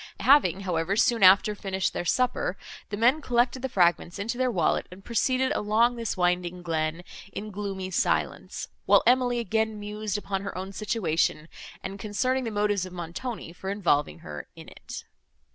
Having, however, soon after, finished their supper, the men collected the fragments into their wallet, and proceeded along this winding glen, in gloomy silence; while Emily again mused upon her own situation, and concerning the motives of Montoni for involving her in it.